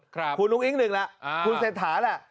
คุณลุงอิงหนึ่งแล้วคุณเศรษฐาแล้ว